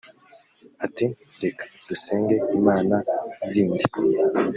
ati «reka dusenge imana zindi»